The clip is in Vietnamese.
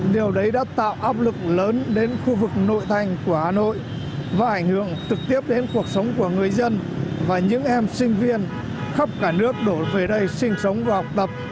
điều đấy đã tạo áp lực lớn đến khu vực nội thành của hà nội và ảnh hưởng trực tiếp đến cuộc sống của người dân và những em sinh viên khắp cả nước đổ về đây sinh sống và học tập